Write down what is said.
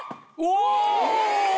お！